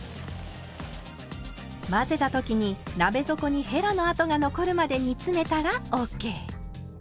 混ぜた時に鍋底にへらの跡が残るまで煮詰めたらＯＫ。